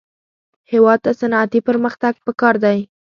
هېواد ته صنعتي پرمختګ پکار دی